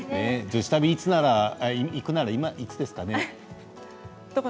女子旅行くならいつですかね？